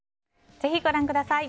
ぜひご覧ください。